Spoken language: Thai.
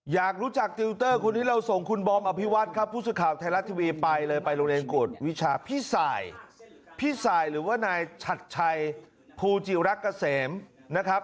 อยากรู้จักติวเตอร์คนนี้เราส่งคุณบอมอภิวัตครับผู้สื่อข่าวไทยรัฐทีวีไปเลยไปโรงเรียนกวดวิชาพี่สายพี่สายหรือว่านายชัดชัยภูจิรักเกษมนะครับ